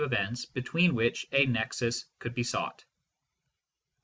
events between which a nexus could be sought.